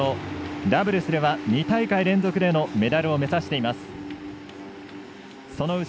ダブルスでは２大会連続でのメダルを目指しています。